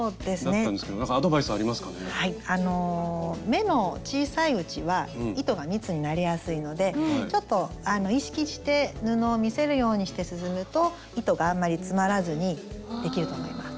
目の小さいうちは糸が密になりやすいのでちょっと意識して布を見せるようにして進むと糸があんまり詰まらずにできると思います。